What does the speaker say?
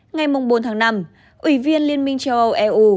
ngày bốn tháng năm ủy viên liên minh châu âu eu